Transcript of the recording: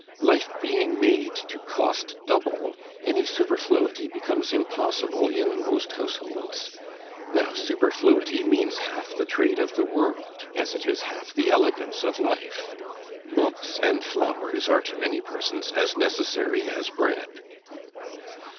Life being made to cost double, any superfluity becomes impossible in most households. Now superfluity means half the trade of the world, as it is half the elegance of life. Books and flowers are to many persons as necessary as bread.